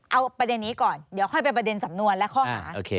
เอาประเด็นนี้ก่อนเดี๋ยวค่อยไปประเด็นสำนวนและข้อหา